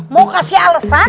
mau kasih alesan